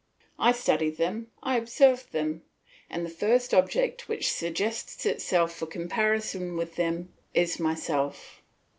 I study them, I observe them; and the first object which suggests itself for comparison with them is myself.